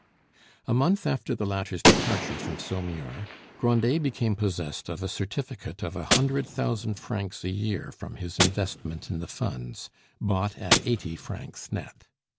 A month after the latter's departure from Saumur, Grandet, became possessed of a certificate of a hundred thousand francs a year from his investment in the Funds, bought at eighty francs net.